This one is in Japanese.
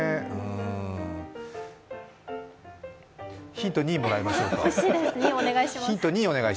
ヒント２もらいましょうか。